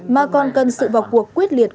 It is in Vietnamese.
mà còn cần sự vọc cuộc quyết liệt